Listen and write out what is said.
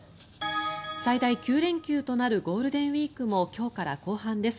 最大９連休となるゴールデンウィークも今日から後半です。